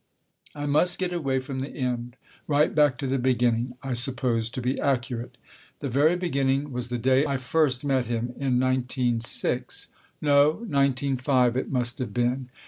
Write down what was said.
I must get away from the end, right back to the beginning. I suppose, to be accurate, the very beginning was the Book I : My Book day I first met him in nineteen six no, nineteen five it must have been.